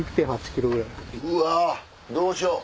うわどうしよう。